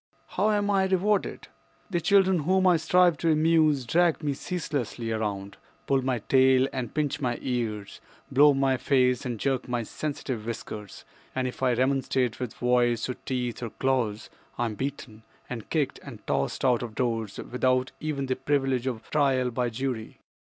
How am I rewarded? "The children whom I strive to amuse drag me ceaselessly around, pull my tail and pinch my ears, blow in my face and jerk my sensitive whiskers; and if I remonstrate with voice or teeth or claws, I am beaten and kicked and tossed out of doors without even the privilege of trial by jury.